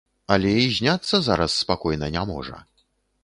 Але і зняцца зараз спакойна не можа.